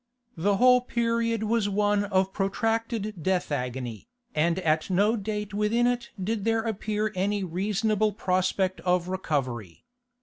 The whole period was one protracted death agony, and at no date within it did there appear any reasonable prospect of recovery.